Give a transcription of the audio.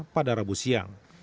pada rabu siang